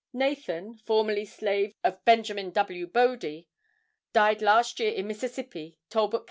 Nathan, formerly slave of Benj. W. Bodie, died last year in Mississippi, Talbot Co.